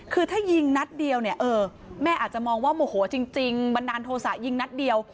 คือถ้ายิงนัดเดียวเนี่ยเออแม่อาจจะมองว่าโมโหจริงบันดาลโทษะยิงนัดเดียว